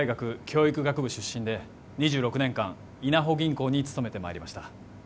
教育学部出身で２６年間いなほ銀行に勤めてまいりました